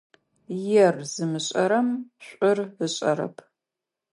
Ер зымышӏэрэм шӏур ышӏэрэп.